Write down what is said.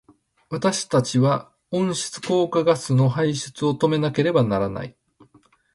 私たちは温室効果ガスの排出を止めなければならない。